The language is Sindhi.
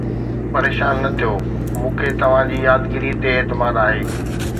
پريشان نه ٿيو، مون کي توهان جي يادگيري تي اعتماد آهي